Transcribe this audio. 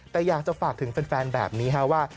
แต่อยากจะฝากถึงแฟนแบบนี้ว่า